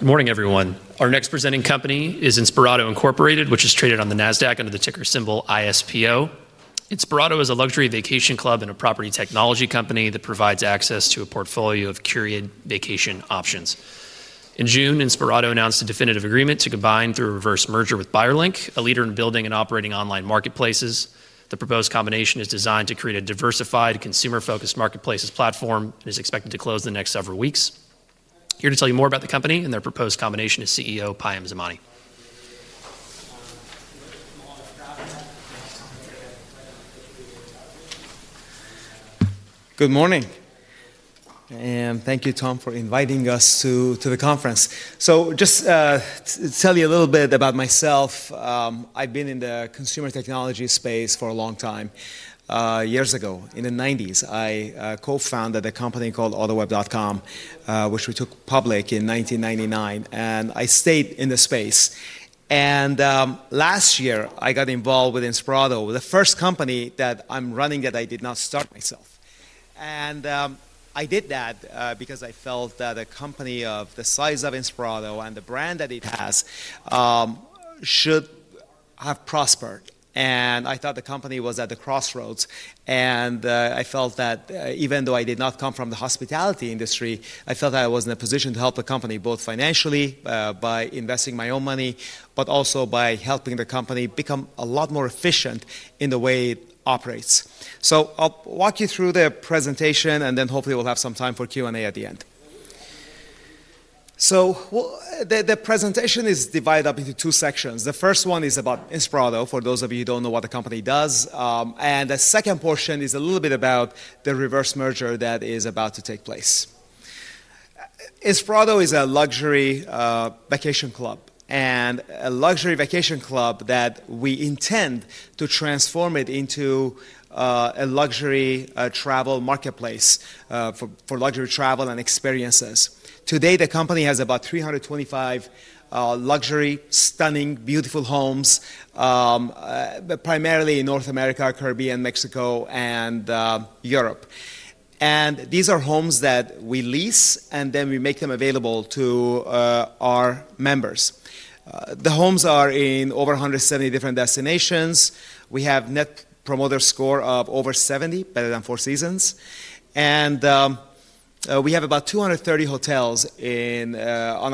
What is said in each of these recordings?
Good morning, everyone. Our next presenting company is Inspirato Incorporated, which is traded on the NASDAQ under the ticker symbol ISPO. Inspirato is a luxury vacation club and a property technology company that provides access to a portfolio of curated vacation options. In June, Inspirato announced a definitive agreement to combine through a reverse merger with Buyerlink, a leader in building and operating online marketplaces. The proposed combination is designed to create a diversified, consumer-focused marketplace platform and is expected to close in the next several weeks. Here to tell you more about the company and their proposed combination is CEO Payam Zamani. Good morning, and thank you, Tom, for inviting us to the conference, so just to tell you a little bit about myself, I've been in the consumer technology space for a long time. Years ago, in the '90s, I co-founded a company called Autoweb.com, which we took public in 1999, and I stayed in the space, and last year, I got involved with Inspirato, the first company that I'm running that I did not start myself, and I did that because I felt that a company of the size of Inspirato and the brand that it has should have prospered, and I thought the company was at the crossroads. I felt that even though I did not come from the hospitality industry, I felt that I was in a position to help the company both financially by investing my own money, but also by helping the company become a lot more efficient in the way it operates. I'll walk you through the presentation, and then hopefully we'll have some time for Q&A at the end. The presentation is divided up into two sections. The first one is about Inspirato for those of you who don't know what the company does. The second portion is a little bit about the reverse merger that is about to take place. Inspirato is a luxury vacation club, and a luxury vacation club that we intend to transform into a luxury travel marketplace for luxury travel and experiences. Today, the company has about 325 luxury, stunning, beautiful homes, primarily in North America, Caribbean, Mexico, and Europe, and these are homes that we lease, and then we make them available to our members. The homes are in over 170 different destinations. We have a Net Promoter Score of over 70, better than Four Seasons, and we have about 230 hotels on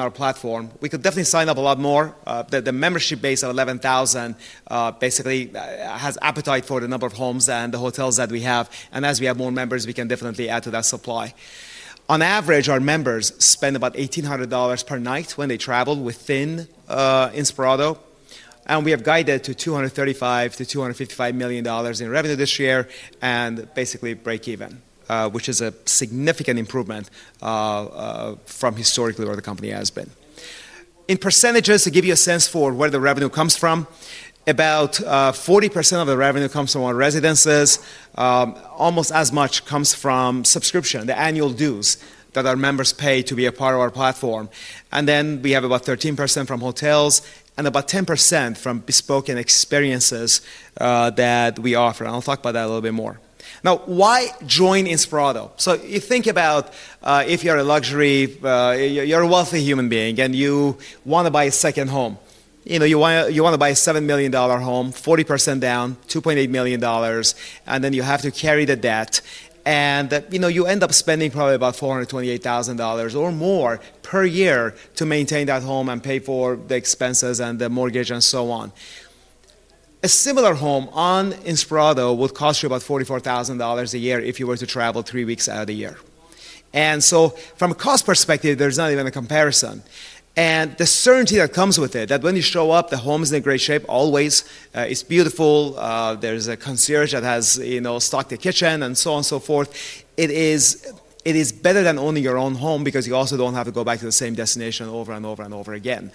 our platform. We could definitely sign up a lot more. The membership base of 11,000 basically has appetite for the number of homes and the hotels that we have, and as we have more members, we can definitely add to that supply. On average, our members spend about $1,800 per night when they travel within Inspirato, and we have guided to $235-$255 million in revenue this year and basically break even, which is a significant improvement from historically where the company has been. In percentages, to give you a sense for where the revenue comes from, about 40% of the revenue comes from our residences. Almost as much comes from subscription, the annual dues that our members pay to be a part of our platform, and then we have about 13% from hotels and about 10% from bespoke experiences that we offer, and I'll talk about that a little bit more. Now, why join Inspirato, so you think about if you're a luxury, you're a wealthy human being, and you want to buy a second home. You want to buy a $7 million home, 40% down, $2.8 million, and then you have to carry the debt, and you end up spending probably about $428,000 or more per year to maintain that home and pay for the expenses and the mortgage and so on. A similar home on Inspirato would cost you about $44,000 a year if you were to travel three weeks out of the year. And so from a cost perspective, there's not even a comparison. And the certainty that comes with it, that when you show up, the home is in great shape always. It's beautiful. There's a concierge that has stocked the kitchen and so on and so forth. It is better than owning your own home because you also don't have to go back to the same destination over and over and over again.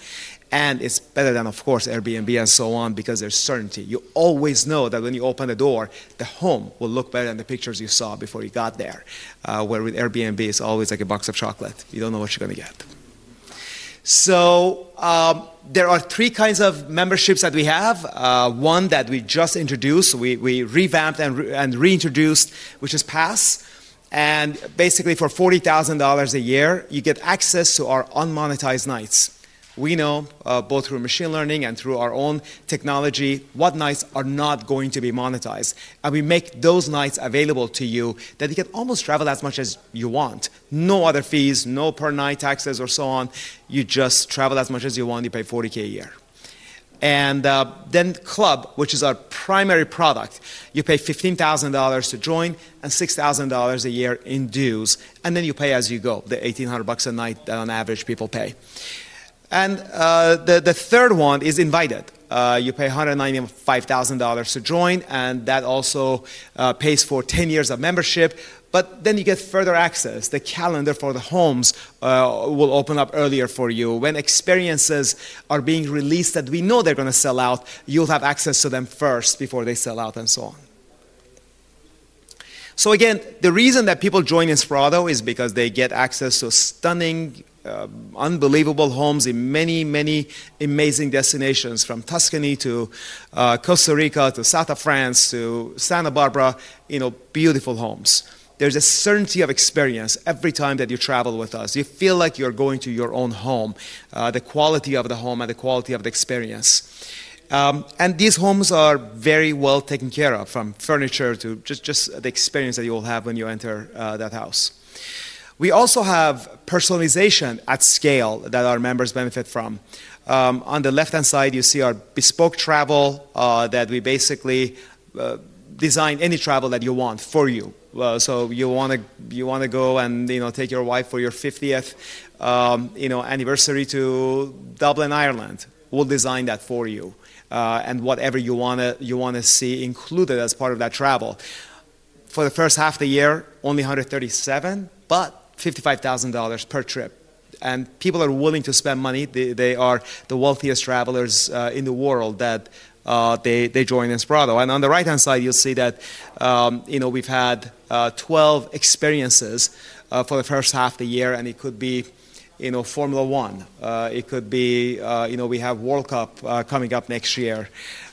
And it's better than, of course, Airbnb and so on because there's certainty. You always know that when you open the door, the home will look better than the pictures you saw before you got there, where with Airbnb it's always like a box of chocolate. You don't know what you're going to get. So there are three kinds of memberships that we have. One that we just introduced, we revamped and reintroduced, which is Pass. And basically, for $40,000 a year, you get access to our unmonetized nights. We know both through machine learning and through our own technology what nights are not going to be monetized. And we make those nights available to you that you can almost travel as much as you want. No other fees, no per-night taxes, or so on. You just travel as much as you want. You pay $40,000 a year. And then Club, which is our primary product, you pay $15,000 to join and $6,000 a year in dues. And then you pay as you go, the $1,800 a night that on average people pay. And the third one is Invited. You pay $195,000 to join, and that also pays for 10 years of membership. But then you get further access. The calendar for the homes will open up earlier for you. When experiences are being released that we know they're going to sell out, you'll have access to them first before they sell out and so on. So again, the reason that people join Inspirato is because they get access to stunning, unbelievable homes in many, many amazing destinations from Tuscany to Costa Rica to South of France to Santa Barbara, beautiful homes. There's a certainty of experience every time that you travel with us. You feel like you're going to your own home, the quality of the home and the quality of the experience. And these homes are very well taken care of, from furniture to just the experience that you will have when you enter that house. We also have personalization at scale that our members benefit from. On the left-hand side, you see our bespoke travel that we basically design any travel that you want for you. So you want to go and take your wife for your 50th anniversary to Dublin, Ireland. We'll design that for you and whatever you want to see included as part of that travel. For the first half of the year, only $137, but $55,000 per trip. And people are willing to spend money. They are the wealthiest travelers in the world that they join Inspirato. And on the right-hand side, you'll see that we've had 12 experiences for the first half of the year. And it could be Formula 1. It could be we have World Cup coming up next year.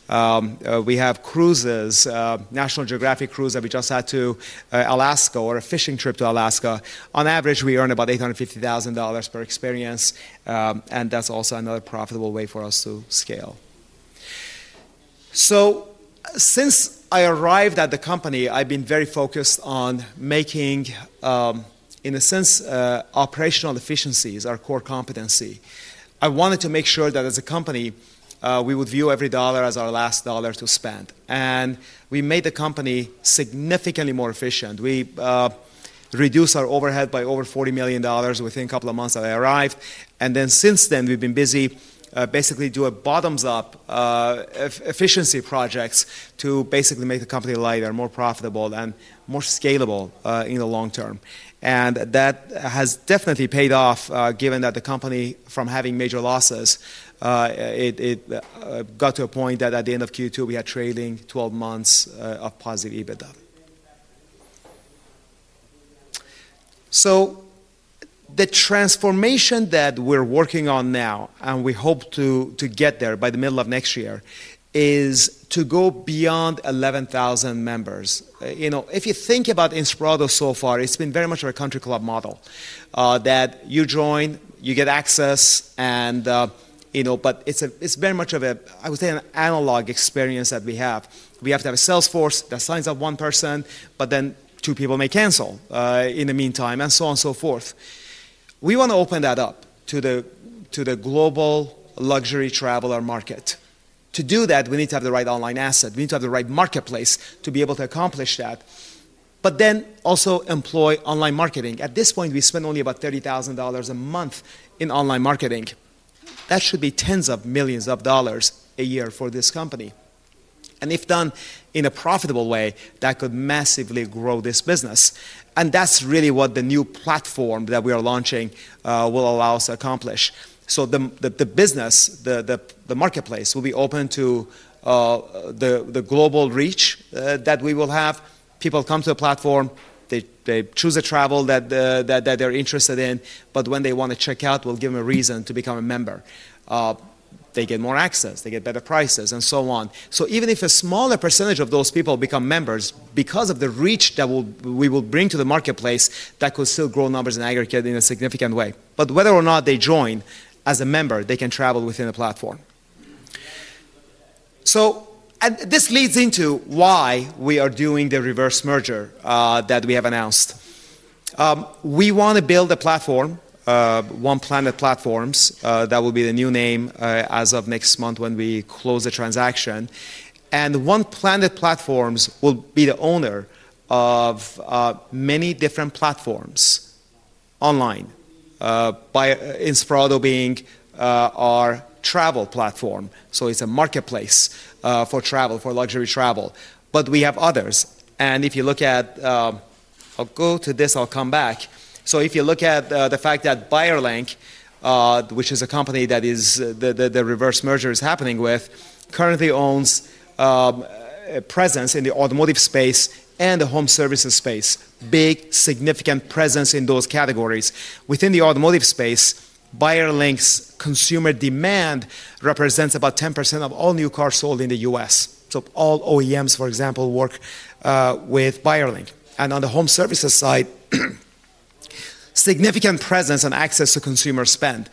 We have cruises, National Geographic cruise that we just had to Alaska or a fishing trip to Alaska. On average, we earn about $850,000 per experience. That's also another profitable way for us to scale. Since I arrived at the company, I've been very focused on making, in a sense, operational efficiencies our core competency. I wanted to make sure that as a company, we would view every dollar as our last dollar to spend. We made the company significantly more efficient. We reduced our overhead by over $40 million within a couple of months that I arrived. Then since then, we've been busy basically doing bottoms-up efficiency projects to basically make the company lighter, more profitable, and more scalable in the long term. That has definitely paid off, given that the company, from having major losses, it got to a point that at the end of Q2, we had trailing 12 months of positive EBITDA. So the transformation that we're working on now, and we hope to get there by the middle of next year, is to go beyond 11,000 members. If you think about Inspirato so far, it's been very much of a country club model that you join, you get access, but it's very much of a, I would say, an analog experience that we have. We have to have a sales force that signs up one person, but then two people may cancel in the meantime and so on and so forth. We want to open that up to the global luxury traveler market. To do that, we need to have the right online asset. We need to have the right marketplace to be able to accomplish that, but then also employ online marketing. At this point, we spend only about $30,000 a month in online marketing. That should be tens of millions of dollars a year for this company. And if done in a profitable way, that could massively grow this business. And that's really what the new platform that we are launching will allow us to accomplish. So the business, the marketplace, will be open to the global reach that we will have. People come to the platform. They choose a travel that they're interested in. But when they want to check out, we'll give them a reason to become a member. They get more access. They get better prices and so on. So even if a smaller percentage of those people become members because of the reach that we will bring to the marketplace, that could still grow numbers in aggregate in a significant way. But whether or not they join as a member, they can travel within the platform. So this leads into why we are doing the reverse merger that we have announced. We want to build a platform, One Planet Platforms. That will be the new name as of next month when we close the transaction. And One Planet Platforms will be the owner of many different platforms online, Inspirato being our travel platform. So it's a marketplace for travel, for luxury travel. But we have others. And if you look at, I'll go to this. I'll come back. So if you look at the fact that Buyerlink, which is a company that the reverse merger is happening with, currently owns a presence in the automotive space and the home services space, big, significant presence in those categories. Within the automotive space, Buyerlink's consumer demand represents about 10% of all new cars sold in the U.S. So all OEMs, for example, work with Buyerlink. On the home services side, significant presence and access to consumer spend.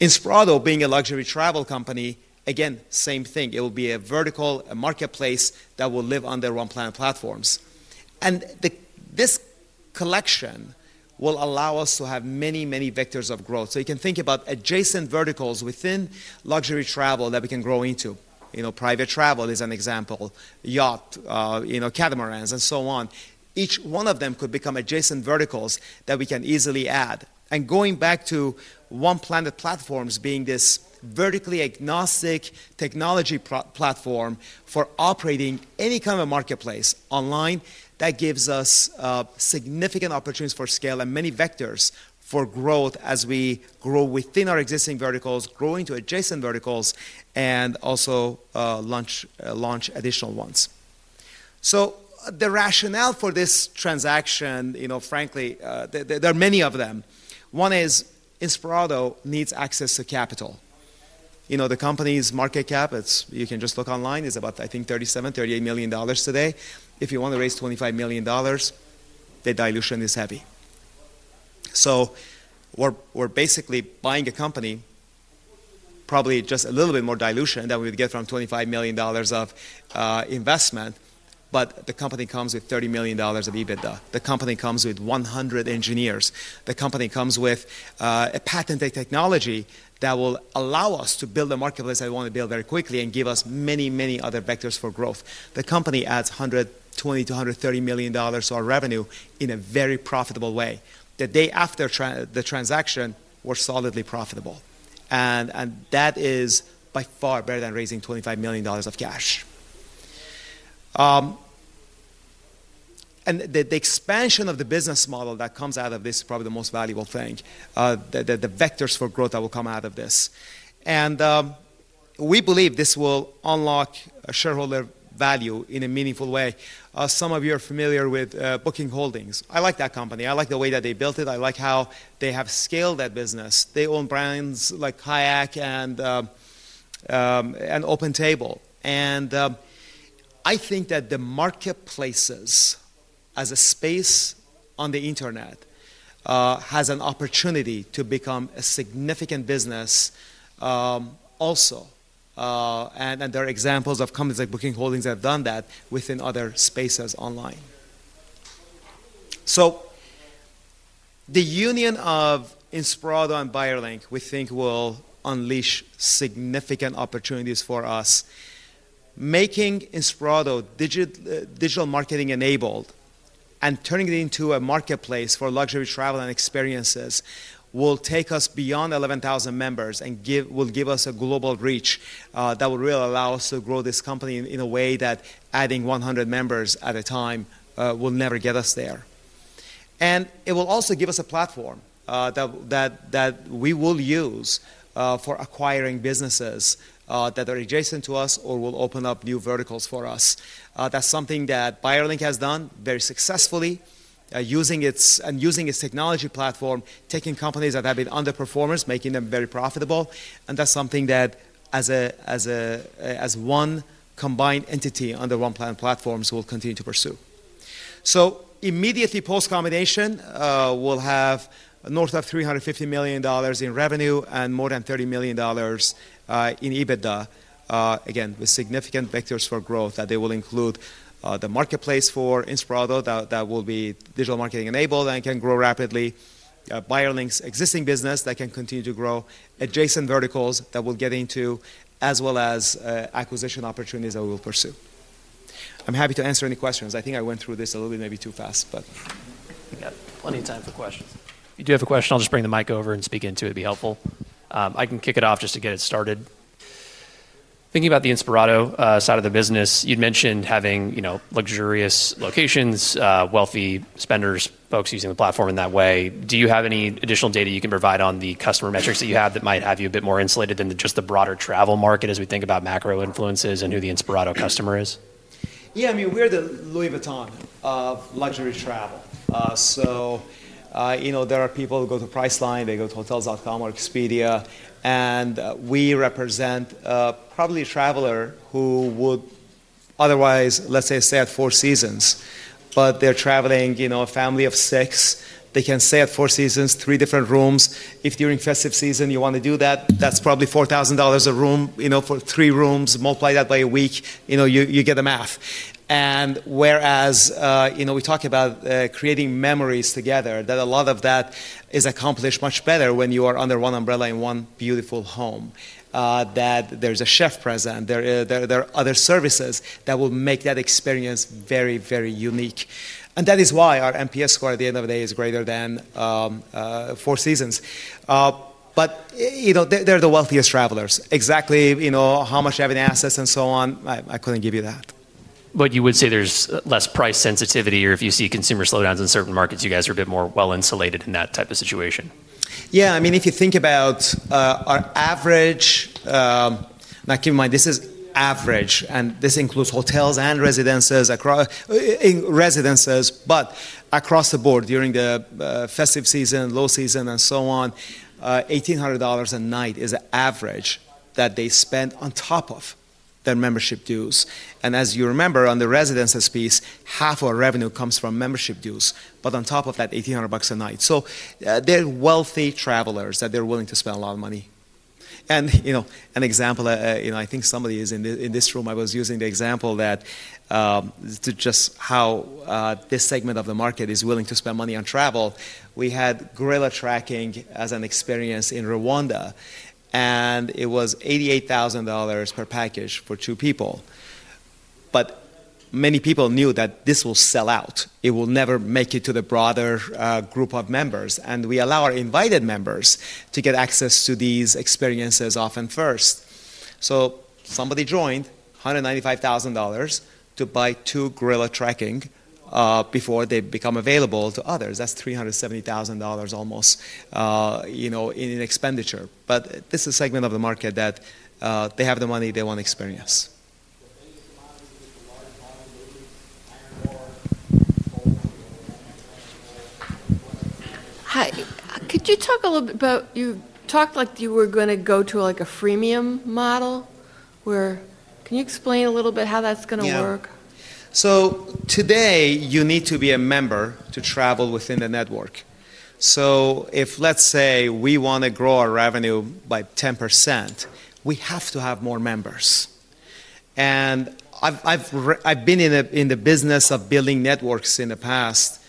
Inspirato being a luxury travel company, again, same thing. It will be a vertical, a marketplace that will live under One Planet Platforms. This collection will allow us to have many, many vectors of growth. You can think about adjacent verticals within luxury travel that we can grow into. Private travel is an example, yacht, catamarans, and so on. Each one of them could become adjacent verticals that we can easily add. Going back to One Planet Platforms being this vertically agnostic technology platform for operating any kind of marketplace online, that gives us significant opportunities for scale and many vectors for growth as we grow within our existing verticals, grow into adjacent verticals, and also launch additional ones. The rationale for this transaction, frankly, there are many of them. One is Inspirato needs access to capital. The company's market cap, you can just look online, is about, I think, $37-$38 million today. If you want to raise $25 million, the dilution is heavy, so we're basically buying a company, probably just a little bit more dilution than we would get from $25 million of investment. But the company comes with $30 million of EBITDA. The company comes with 100 engineers. The company comes with a patented technology that will allow us to build a marketplace that we want to build very quickly and give us many, many other vectors for growth. The company adds $120-$130 million to our revenue in a very profitable way. The day after the transaction, we're solidly profitable, and that is by far better than raising $25 million of cash. The expansion of the business model that comes out of this is probably the most valuable thing, the vectors for growth that will come out of this. We believe this will unlock shareholder value in a meaningful way. Some of you are familiar with Booking Holdings. I like that company. I like the way that they built it. I like how they have scaled that business. They own brands like Kayak and OpenTable. I think that the marketplaces as a space on the internet has an opportunity to become a significant business also. There are examples of companies like Booking Holdings that have done that within other spaces online. The union of Inspirato and Buyerlink, we think, will unleash significant opportunities for us. Making Inspirato digital marketing enabled and turning it into a marketplace for luxury travel and experiences will take us beyond 11,000 members and will give us a global reach that will really allow us to grow this company in a way that adding 100 members at a time will never get us there. And it will also give us a platform that we will use for acquiring businesses that are adjacent to us or will open up new verticals for us. That's something that Buyerlink has done very successfully, using its technology platform, taking companies that have been underperformers, making them very profitable. And that's something that, as one combined entity under One Planet Platforms, we'll continue to pursue. Immediately post-combination, we'll have north of $350 million in revenue and more than $30 million in EBITDA, again, with significant vectors for growth that they will include the marketplace for Inspirato that will be digital marketing enabled and can grow rapidly, Buyerlink's existing business that can continue to grow, adjacent verticals that we'll get into, as well as acquisition opportunities that we will pursue. I'm happy to answer any questions. I think I went through this a little bit maybe too fast, but. We got plenty of time for questions. If you do have a question, I'll just bring the mic over and speak into it. It'd be helpful. I can kick it off just to get it started. Thinking about the Inspirato side of the business, you'd mentioned having luxurious locations, wealthy spenders, folks using the platform in that way. Do you have any additional data you can provide on the customer metrics that you have that might have you a bit more insulated than just the broader travel market as we think about macro influences and who the Inspirato customers? Yeah. I mean, we're the Louis Vuitton of luxury travel. So there are people who go to Priceline. They go to Hotels.com or Expedia. And we represent probably a traveler who would otherwise, let's say, stay at Four Seasons. But they're traveling a family of six. They can stay at Four Seasons, three different rooms. If during festive season you want to do that, that's probably $4,000 a room for three rooms. Multiply that by a week. You get the math. And whereas we talk about creating memories together, that a lot of that is accomplished much better when you are under one umbrella in one beautiful home, that there's a chef present. There are other services that will make that experience very, very unique. And that is why our NPS score at the end of the day is greater than Four Seasons. But they're the wealthiest travelers. Exactly how much they have in assets and so on, I couldn't give you that. But you would say there's less price sensitivity or if you see consumer slowdowns in certain markets, you guys are a bit more well-insulated in that type of situation. Yeah. I mean, if you think about our average now, keep in mind, this is average. And this includes hotels and residences across the board during the festive season, low season, and so on. $1,800 a night is the average that they spend on top of their membership dues. As you remember, on the residences piece, half of our revenue comes from membership dues, but on top of that, $1,800 a night. They're wealthy travelers that they're willing to spend a lot of money. An example, I think somebody is in this room. I was using the example that to just how this segment of the market is willing to spend money on travel. We had gorilla trekking as an experience in Rwanda. And it was $88,000 per package for two people. Many people knew that this will sell out. It will never make it to the broader group of members. We allow our Invited members to get access to these experiences often first. Somebody joined $195,000 to buy two gorilla trekking before they become available to others. That's $370,000 almost in expenditure. But this is a segment of the market that they have the money they want to experience. Hi. Could you talk a little bit about you talked like you were going to go to a freemium model? Can you explain a little bit how that's going to work? Yeah. So today, you need to be a member to travel within the network. So if, let's say, we want to grow our revenue by 10%, we have to have more members. And I've been in the business of building networks in the past.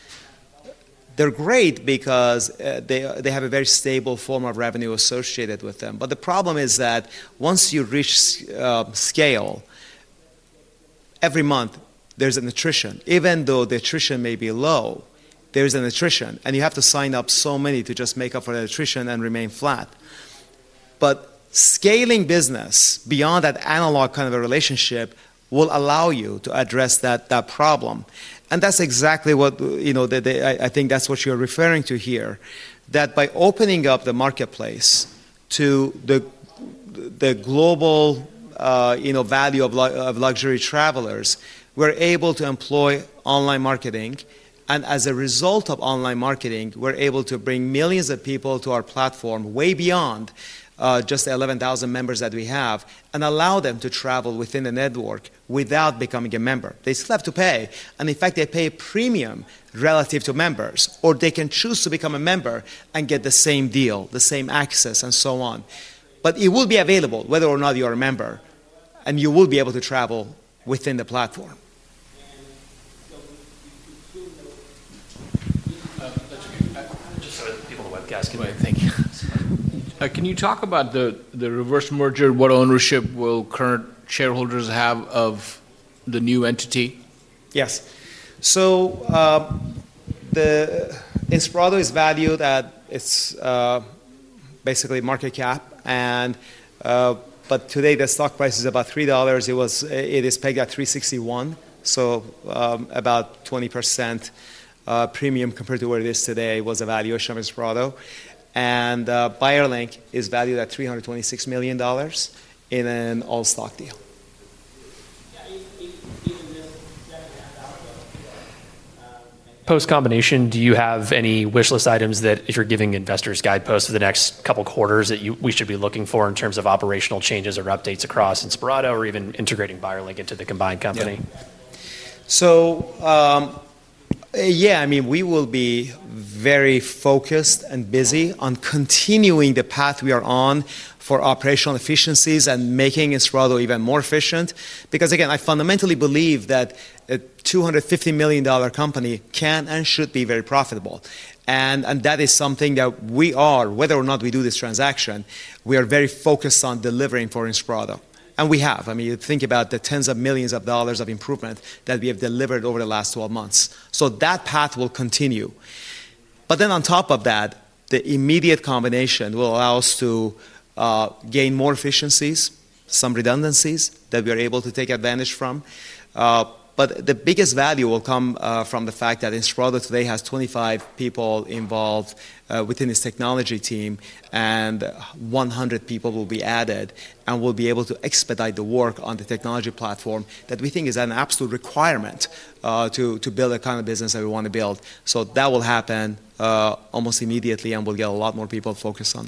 They're great because they have a very stable form of revenue associated with them. But the problem is that once you reach scale, every month, there's an attrition. Even though the attrition may be low, there's an attrition. You have to sign up so many to just make up for the attrition and remain flat. Scaling business beyond that analog kind of a relationship will allow you to address that problem. That's exactly what I think you're referring to here, that by opening up the marketplace to the global value of luxury travelers, we're able to employ online marketing. As a result of online marketing, we're able to bring millions of people to our platform way beyond just 11,000 members that we have and allow them to travel within the network without becoming a member. They still have to pay. In fact, they pay a premium relative to members. They can choose to become a member and get the same deal, the same access, and so on. It will be available whether or not you're a member. You will be able to travel within the platform. Just so people don't want to be asking the thing. Can you talk about the reverse merger, what ownership will current shareholders have of the new entity? Yes. So Inspirato is valued at. It's basically market cap. But today, the stock price is about $3. It is pegged at $361, so about 20% premium compared to where it is today was the valuation of Inspirato. And Buyerlink is valued at $326 million in an all-stock deal. Post-combination, do you have any wishlist items that you're giving investors guideposts for the next couple of quarters that we should be looking for in terms of operational changes or updates across Inspirato or even integrating Buyerlink into the combined company? So yeah. I mean, we will be very focused and busy on continuing the path we are on for operational efficiencies and making Inspirato even more efficient. Because again, I fundamentally believe that a $250 million company can and should be very profitable, and that is something that we are, whether or not we do this transaction, we are very focused on delivering for Inspirato, and we have. I mean, you think about the tens of millions of dollars of improvement that we have delivered over the last 12 months, so that path will continue, but then on top of that, the immediate combination will allow us to gain more efficiencies, some redundancies that we are able to take advantage from, but the biggest value will come from the fact that Inspirato today has 25 people involved within its technology team. 100 people will be added and will be able to expedite the work on the technology platform that we think is an absolute requirement to build the kind of business that we want to build. That will happen almost immediately and we'll get a lot more people focused on.